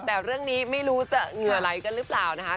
แต่เรื่องนี้ไม่รู้จะเหงื่อไหลกันหรือเปล่านะคะ